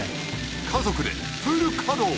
家族でフル稼働